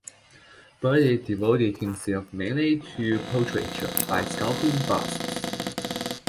Berti devoted himself mainly to portraiture by sculpting busts.